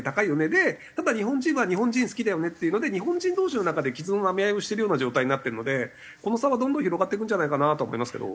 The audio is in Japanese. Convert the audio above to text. でただ日本人は日本人好きだよねっていうので日本人同士の中で傷のなめ合いをしてるような状態になってるのでこの差はどんどん広がっていくんじゃないかなと思いますけど。